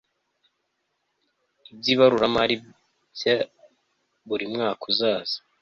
iby ibaruramari bya burimwaka uzaza